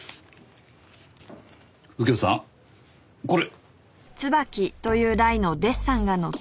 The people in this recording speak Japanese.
右京さんこれ！